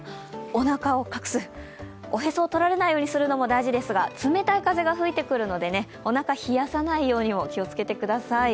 おなかを隠す、おへそを取られないようにするのも大事ですが冷たい風が吹いてくるのでおなか、冷やさないようにも気をつけてください。